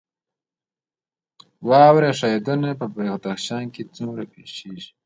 واورې ښویدنه په بدخشان کې څومره پیښیږي؟